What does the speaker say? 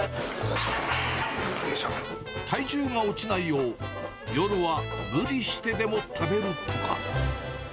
体重が落ちないよう、夜は無理してでも食べるとか。